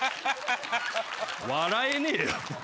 笑えねえよ。